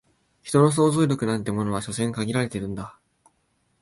人の想像力なんてものは所詮限られてるんだ